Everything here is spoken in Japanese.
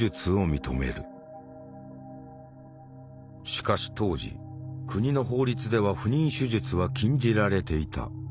しかし当時国の法律では不妊手術は禁じられていた。